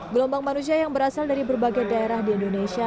gelombang manusia yang berasal dari berbagai daerah di indonesia